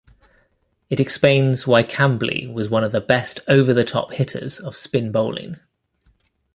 It explains why Kambli was one of the best over-the-top hitters of spin bowling.